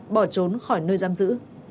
bỏ trốn khỏi nơi giam giữ